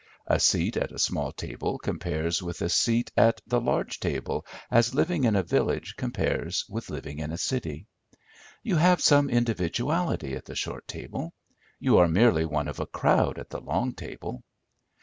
A seat at a small table compares with a seat at the large table as living in a village compares with living in a city. You have some individuality at the short table; you are merely one of a crowd at the long table.